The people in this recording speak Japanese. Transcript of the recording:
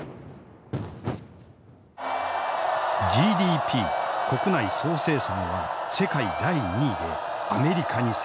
ＧＤＰ国内総生産は世界第２位でアメリカに迫る。